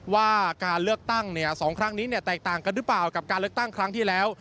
ว่าการเลือกตั้ง๒ครั้งนี้แตกต่างกันหรือเปล่ากับการเลือกตั้งครั้งที่แล้ว